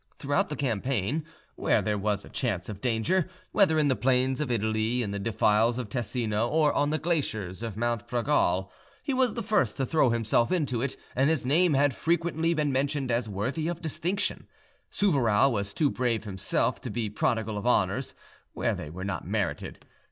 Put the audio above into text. Throughout the campaign, where there was a chance of danger, whether in the plains of Italy, in the defiles of Tesino, or on the glaciers of Mount Pragal, he was the first to throw himself into it, and his name had frequently been mentioned as worthy of distinction. Souvarow was too brave himself to be prodigal of honours where they were not merited.